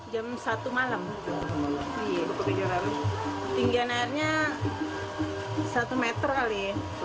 jam satu malam tinggian airnya satu meter kali